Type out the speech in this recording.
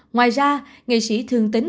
ngoài ra nghệ sĩ thương tín